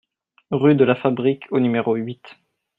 Rue de la Fabrique au numéro huit